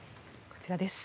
こちらです。